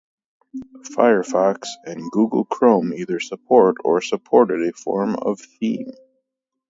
Firefox and Google Chrome either support or supported a form of theme.